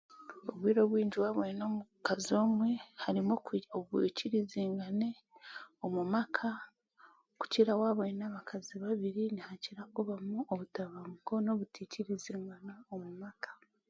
Obwire obwingi waaba oine omukazi omwe harimu okwi obwikirizangane omu maka kukira waaba oine abakazi babiri nihakira kubamu obutabanguko n'obutaikirizingana omu maka